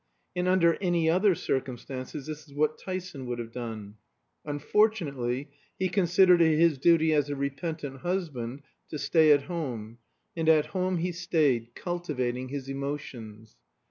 And under any other circumstances, this is what Tyson would have done. Unfortunately, he considered it his duty as a repentant husband to stay at home; and at home he stayed, cultivating his emotions.